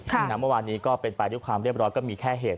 เมื่อวานนี้ก็เป็นไปด้วยความเรียบร้อยก็มีแค่เหตุ